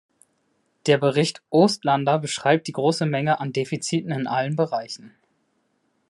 Der Bericht Oostlander beschreibt die große Menge an Defiziten in allen Bereichen.